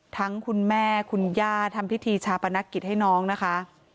คุณแม่คุณย่าทำพิธีชาปนกิจให้น้องนะคะ